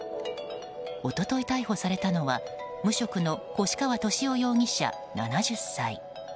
一昨日逮捕されたのは無職の越川俊雄容疑者、７０歳。